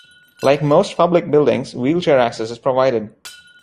Like most public buildings wheelchair access is provided.